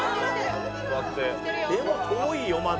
でも遠いよまだ。